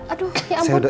aduh ya ampun